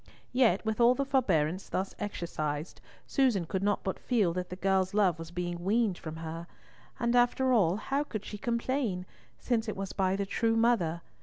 Yet, with all the forbearance thus exercised, Susan could not but feel that the girl's love was being weaned from her; and, after all, how could she complain, since it was by the true mother?